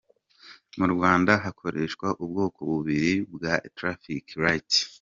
Mu Rwanda hakoreshwa ubwoko bubiri bwa ‘traffic lights’.